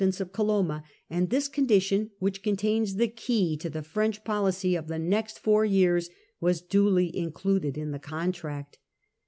1 659 * The Peace of the Pyrenees, 81 Coloma, and this condition, which contains the key to the French policy of the next four years, was duly included in the contract.